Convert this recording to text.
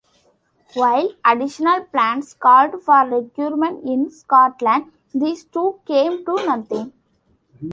While additional plans called for recruitment in Scotland, these too came to nothing.